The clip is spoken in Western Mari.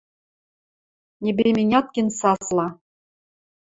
– Небейменяткин сасла.